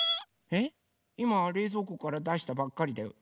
えっいまれいぞうこからだしたばっかりだよ。